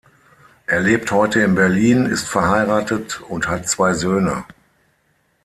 Er lebt heute in Berlin, ist verheiratet und hat zwei Söhne.